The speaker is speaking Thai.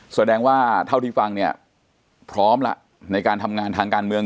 แสดงว่าเท่าที่ฟังเนี่ยพร้อมละในการทำงานทางการเมือง